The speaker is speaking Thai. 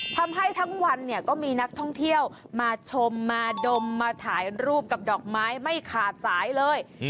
ทำให้ทั้งวันเนี่ยก็มีนักท่องเที่ยวมาชมมาดมมาถ่ายรูปกับดอกไม้ไม่ขาดสายเลย